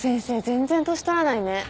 全然年取らないね。